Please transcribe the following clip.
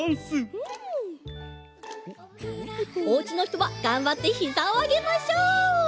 おうちのひとはがんばってひざをあげましょう！